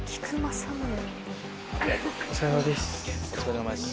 お疲れさまです。